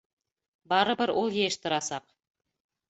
Барыбер ул йыйыштырасаҡ!